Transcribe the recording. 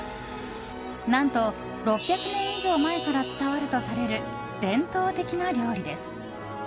何と６００年以上前から伝わるとされる伝統的な料理です。